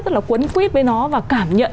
rất là cuốn quyết với nó và cảm nhận